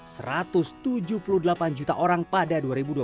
satu ratus tujuh puluh delapan juta orang pada dua ribu dua puluh